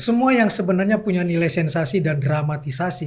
semua yang sebenarnya punya nilai sensasi dan dramatisasi